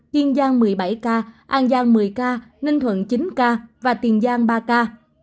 thiên giang một mươi bảy ca an giang một mươi ca ninh thuận chín ca tiền giang ba ca